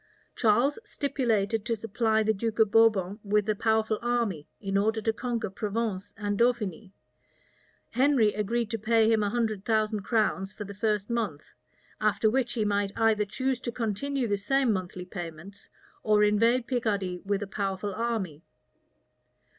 Charles stipulated to supply the Duke of Bourbon with a powerful army, in order to conquer Provence and Dauphiny: Henry agreed to pay him a hundred thousand crowns for the first month; after which he might either choose to continue the same monthly payments, or invade Picardy with a powerful army.